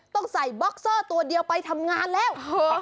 ต้องใส่บ็อกเซอร์ตัวเดียวไปทำงานแล้ว